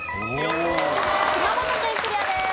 熊本県クリアです。